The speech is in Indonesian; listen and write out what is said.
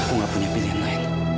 aku nggak punya pilihan lain